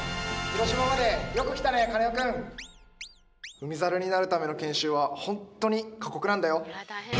海猿になるための研修は本当に過酷なんだよ。